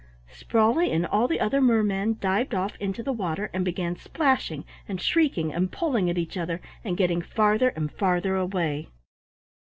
Sprawley and all the other mermen dived off into the water and began splashing and shrieking and pulling at each other and getting farther and farther away.